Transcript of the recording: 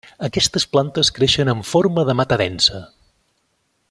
Aquestes plantes creixen en forma de mata densa.